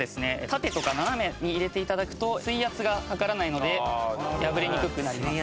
縦とか斜めに入れて頂くと水圧がかからないので破れにくくなります。